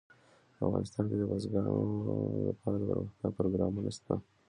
په افغانستان کې د بزګانو لپاره دپرمختیا پروګرامونه شته.